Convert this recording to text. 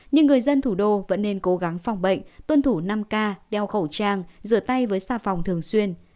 nhưng người dân thủ đô vẫn nên cố gắng phòng bệnh tuân thủ năm k đeo khẩu trang rửa tay với xa phòng thường xuyên